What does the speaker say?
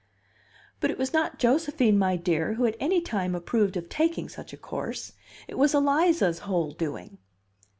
"But it was not Josephine, my dear, who at any time approved of taking such a course. It was Eliza's whole doing."